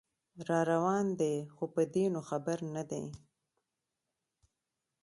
راروان دی خو په دې نو خبر نه دی